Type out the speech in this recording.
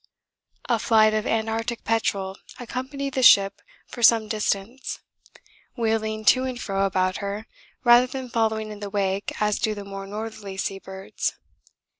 A flight of Antarctic petrel accompanied the ship for some distance, wheeling to and fro about her rather than following in the wake as do the more northerly sea birds.